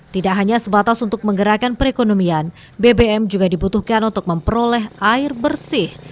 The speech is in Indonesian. tidak hanya sebatas untuk menggerakkan perekonomian bbm juga dibutuhkan untuk memperoleh air bersih